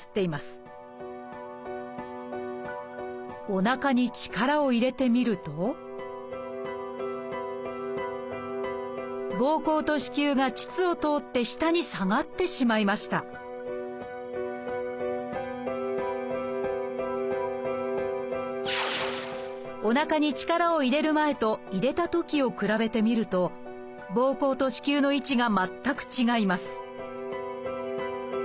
おなかに力を入れてみるとぼうこうと子宮が腟を通って下に下がってしまいましたおなかに力を入れる前と入れたときを比べてみるとぼうこうと子宮の位置が全く違います